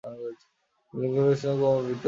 শিশুর লিঙ্গ বিকাশ ক্রিয়া নিয়ে ব্যাপক বিতর্ক আছে।